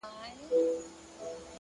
صبر د هیلو اوږد ساتونکی دی!.